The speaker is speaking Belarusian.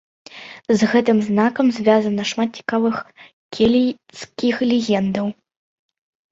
З гэтым знакам звязана шмат цікавых кельцкіх легендаў.